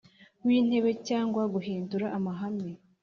w Intebe cyangwa guhindura amahame